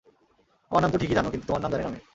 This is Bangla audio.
আমার নাম তো ঠিকই জানো কিন্তু তোমার নাম জানি না আমি।